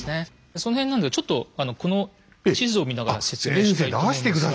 その辺ちょっとこの地図を見ながら説明したいと思いますが。